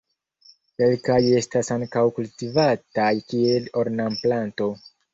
Kelkaj estas ankaŭ kultivataj kiel ornamplanto.